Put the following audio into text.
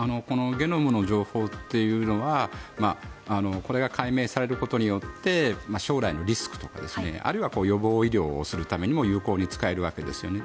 ゲノムの情報というのはこれが解明されることによって将来のリスクとかあるいは予防医療をするためにも有効に使えるわけですよね。